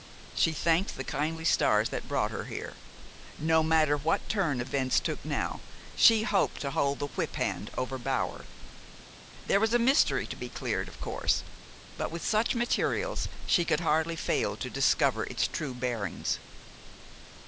She thanked the kindly stars that brought her here. No matter what turn events took now, she hoped to hold the whip hand over Bower. There was a mystery to be cleared, of course; but with such materials she could hardly fail to discover its true bearings.